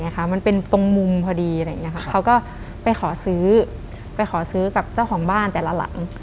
เขาก็ไปขอซื้อกับเจ้าของบ้านแต่ละหลัง